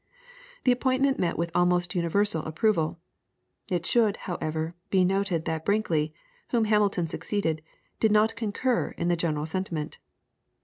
The appointment met with almost universal approval. It should, however, be noted that Brinkley, whom Hamilton succeeded, did not concur in the general sentiment.